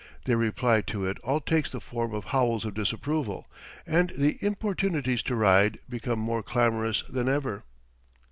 Their reply to it all takes the form of howls of disapproval, and the importunities to ride become more clamorous than ever.